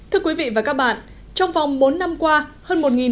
thưa quý vị và các bạn trong vòng bốn năm qua hơn một bốn trăm linh thanh niên